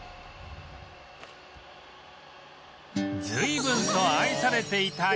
随分と愛されていた様子